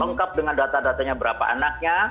lengkap dengan data datanya berapa anaknya